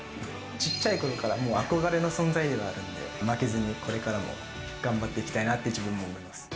ちっちゃいころから憧れの存在であるんで、負けずにこれからも頑張っていきたいなと自分も思います。